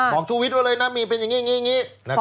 บอกชูวิทย์ด้วยเลยนะมีเป็นอย่างนี้นะครับ